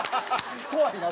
怖いな。